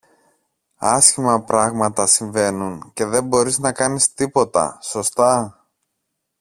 Άσχημα πράγματα συμβαίνουν, και δε μπορείς να κάνεις τίποτα, σωστά;